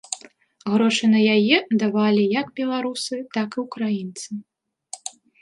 Грошы на яе давалі як беларусы, так і ўкраінцы.